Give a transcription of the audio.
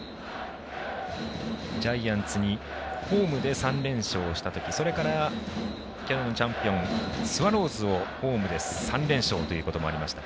ジャイアンツにホームで３連勝した時それから、去年のチャンピオンスワローズをホームで３連勝ということもありました。